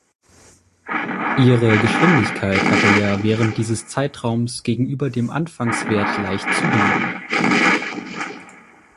Ihre Geschwindigkeit hatte ja während dieses Zeitraums gegenüber dem Anfangswert leicht zugenommen.